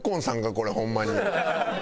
これホンマに。